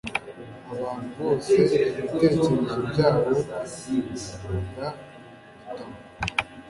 abantu bose ibitekerezo byabo bigukunda mu gitabo